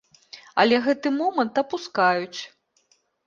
Але гэты момант апускаюць.